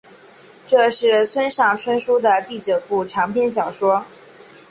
这是村上春树的第九部长篇小说。